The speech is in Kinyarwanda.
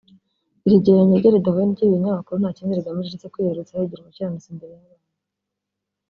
Iri gereranya rye ridahuye ry’ibi binyamakuru nta kindi rigamije uretse kwiyerurutsa yigira umukiranutsi imbere y’abantu